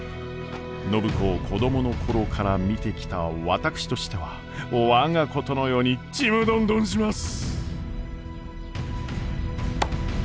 暢子を子供の頃から見てきた私としては我がことのようにちむどんどんします！